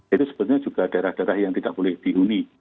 itu sebetulnya juga daerah daerah yang tidak boleh dihuni